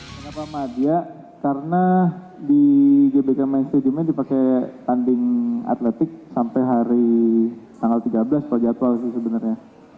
kenapa mah dia karena di gbk main stadiumnya dipakai tanding atletik sampai hari tanggal tiga belas kalau jadwal sih sebenarnya